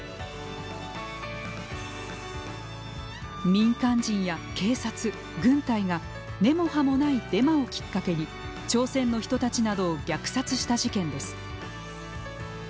民間人や警察、軍隊が根も葉もないデマをきっかけに朝鮮の人たちなどを虐殺した事件です。